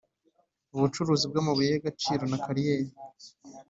ubucukuzi bw’ amabuye y’ agaciro na kariyeri